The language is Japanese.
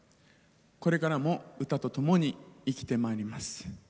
これからも歌とともに生きてまいります。